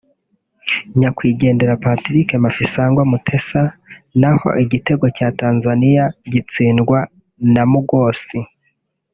nyakwigendera Patrick Mafisango Mutesa na ho igitego cya Tanzania gitsindwa na Mgosi